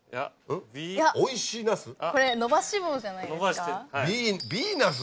これ伸ばし棒じゃないですか？